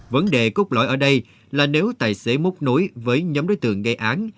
vấn đề cốt lõi ở đây là nếu tài xế múc nối với nhóm đối tượng gây án